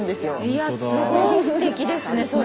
いやすごいステキですねそれ。